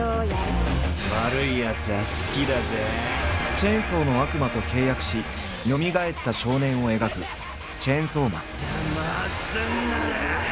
チェンソーの悪魔と契約しよみがえった少年を描く「チェンソーマン」。